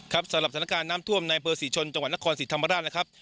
สำหรับสถานการณ์น้ำท่วมในอำเภอศรีชนจังหวัดนครศรีธรรมราชนะครับ